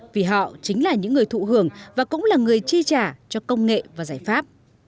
vì họ chính là những người thụ hưởng và cũng là người chi trả cho công nghệ và giải pháp